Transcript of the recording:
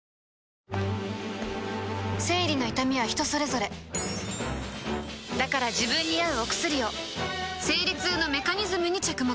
生理の痛みは人それぞれだから自分に合うお薬を生理痛のメカニズムに着目